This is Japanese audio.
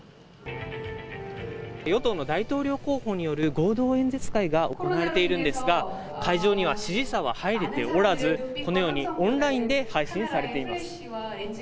与党の大統領候補による合同演説会が行われているんですが、会場には支持者は入れておらず、このようにオンラインで配信されています。